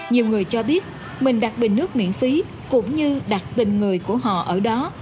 nhiều người cho biết mình đặt bình nước miễn phí cũng như đặt tình người của họ ở đó